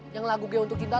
yang lagu gew untuk cinta